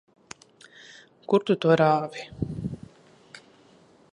Kur tu to rāvi?